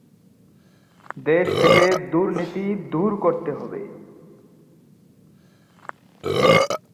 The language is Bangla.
এ ওয়ার্ডের বর্তমান কাউন্সিলর হলেন শামীম হাসান।